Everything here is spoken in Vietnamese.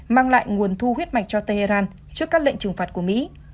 mang lại nguồn thu huyết mạch cho tehran trước các lệnh trừng phạt của mỹ